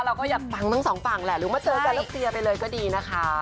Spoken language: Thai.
เราก็อย่าตั้งทั้งสองฝั่งแหละหรือมาเจอกันรกเตียไปเลยก็ดีนะคะ